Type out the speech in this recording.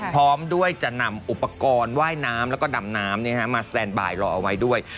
พร้อมด้วยจะนำอุปกรณ์ว่ายน้ำแล้วก็ดำน้ำมาสแตนบายรอเอาไว้ด้วย